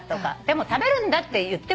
食べるんだって言ってもいいと思う。